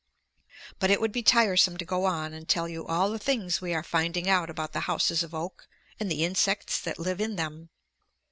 But it would be tiresome to go on and tell you all the things we are finding out about the houses of oak and the insects that live in them.